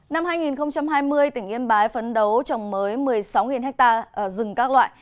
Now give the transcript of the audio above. năm hai nghìn hai mươi tỉnh yên bái phấn đấu trồng mới một mươi sáu ha rừng các loại